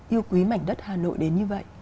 yêu quý mảnh đất hà nội đến như vậy